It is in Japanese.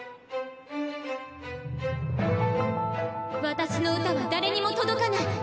私の歌は誰にも届かない。